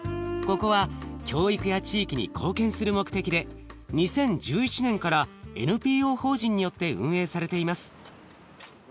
ここは教育や地域に貢献する目的で２０１１年からＮＰＯ法人によって運営されています。